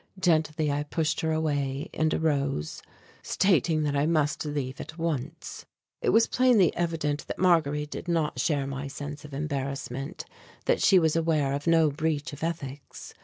Gently I pushed her away and arose, stating that I must leave at once. It was plainly evident that Marguerite did not share my sense of embarrassment, that she was aware of no breach of ethics.